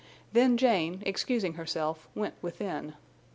Then Jane, excusing herself, went within.